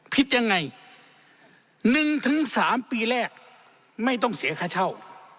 ผิดยังไงหนึ่งถึงสามปีแรกไม่ต้องเสียค่าเช่า